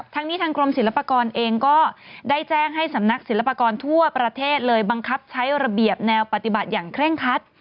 ทั้งนี้ทางกรมศิลปากรเองก็ได้แจ้งให้สำนักศิลปากรทั่วประเทศเลยบังคับใช้ระเบียบแนวปฏิบัติอย่างเคร่งคัด